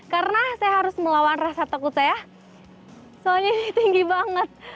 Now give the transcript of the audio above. karena saya harus melawan rasa takut saya soalnya ini tinggi banget